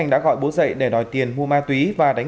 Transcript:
đã xuất hiện khóm tre đắng